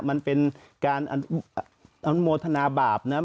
มันเป็นการอนุโมทนาบาปนะ